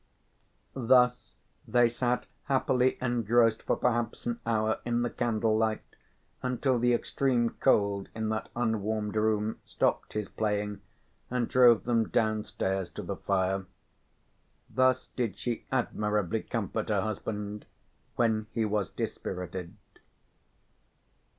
Thus they sat happily engrossed for perhaps an hour in the candle light until the extreme cold in that unwarmed room stopped his playing and drove them downstairs to the fire. Thus did she admirably comfort her husband when he was dispirited.